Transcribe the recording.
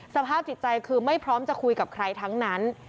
สภาพจิตใจคือไม่พร้อมจะคุยกับใครทั้งนั้น